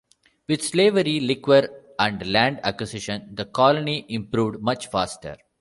With slavery, liquor, and land acquisition the colony improved much faster.